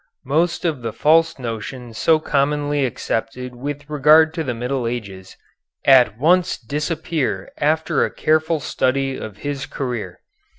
Most of the false notions so commonly accepted with regard to the Middle Ages at once disappear after a careful study of his career.